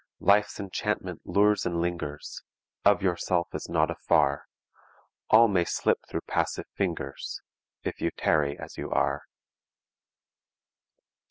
Life's enchantment lures and lingers, Of yourself is not afar, All may slip through passive fingers, If you tarry as you are.